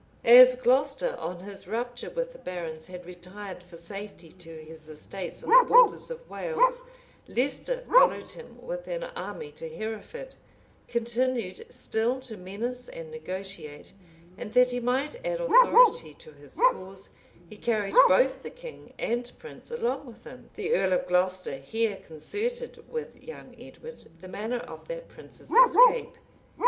As Glocester, on his rupture with the barons, had retired for safety to his estates on the borders of Wales, Leicester followed him with an army to Hereford,[*] continued still to menace ana negotiate, and that he might add authority to his cause, he carried both the king and prince along with him. The earl of Glocester here concerted with young Edward the manner of that prince's escape.